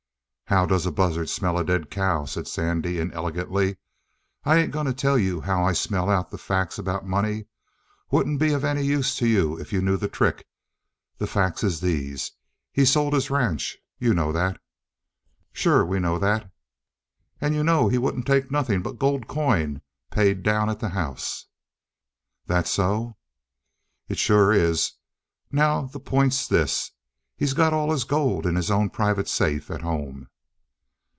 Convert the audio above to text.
"How does a buzzard smell a dead cow?" said Sandy inelegantly. "I ain't going to tell you how I smell out the facts about money. Wouldn't be any use to you if you knew the trick. The facts is these: he sold his ranch. You know that?" "Sure, we know that." "And you know he wouldn't take nothing but gold coin paid down at the house?" "That so?" "It sure is! Now the point's this. He had all his gold in his own private safe at home."